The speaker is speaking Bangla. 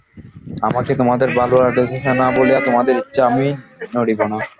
আমাকে তোমাদের ভালো লাগিতেছে না বলিয়া তোমাদের ইচ্ছায় আমি নড়িব না।